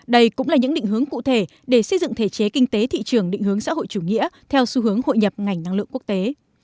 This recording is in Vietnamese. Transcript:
đây cũng là những định hướng cụ thể để xây dựng thể chế kinh tế thị trường định hướng xã hội chủ nghĩa theo xu hướng hội nhập ngành năng lượng quốc tế